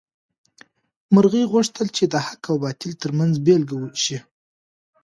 مرغۍ غوښتل چې د حق او باطل تر منځ بېلګه شي.